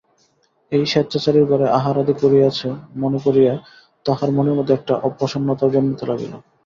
এই ম্লেচ্ছাচারীর ঘরে আহারাদি করিয়াছে মনে করিয়া তাহার মনের মধ্যে একটা অপ্রসন্নতাও জন্মিতে লাগিল।